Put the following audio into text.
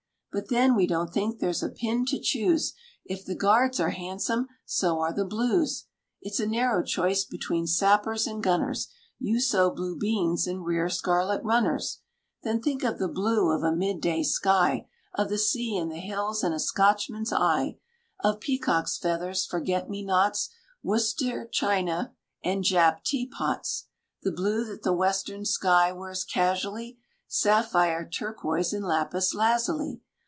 But, then, we don't think there's a pin to choose; If the Guards are handsome, so are the Blues. It's a narrow choice between Sappers and Gunners. You sow blue beans, and rear scarlet runners. Then think of the blue of a mid day sky, Of the sea, and the hills, and a Scotchman's eye; Of peacock's feathers, forget me nots, Worcester china and "jap" tea pots. The blue that the western sky wears casually, Sapphire, turquoise, and lapis lazuli.